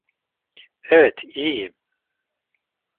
Evet iyiyim.